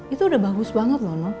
itu udah bagus banget loh